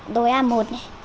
đồi a một này